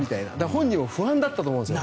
本人も不安だったと思うんです。